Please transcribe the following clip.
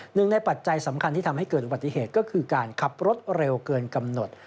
หนึ่งในปัจจัยสำคัญที่ทำให้เกิดอุบัติเหตุก็คือการขับรถเร็วเกินกำหนด